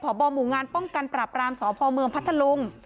บหมู่งานป้องกันปราบรามสพเมืองพัทธลุง